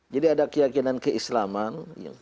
jadi ada keyakinan keislaman